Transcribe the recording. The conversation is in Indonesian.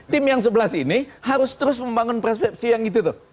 tim yang sebelas ini harus terus membangun persepsi yang gitu tuh